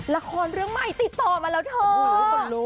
ละครเรื่องใหม่ติดต่อมาแล้วเถอะ